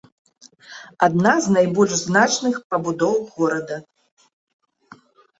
Адна з найбольш значных пабудоў горада.